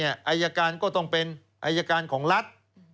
อายการก็ต้องเป็นอายการของรัฐ